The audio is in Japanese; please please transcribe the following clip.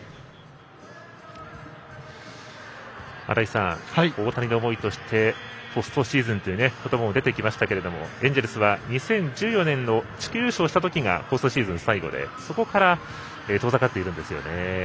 新井さん大谷の思いとしてポストシーズンという言葉も出てきましたけれどもエンジェルスは２０１４年の地区優勝したときがポストシーズン最後でそこから楽しんでいるんですよね。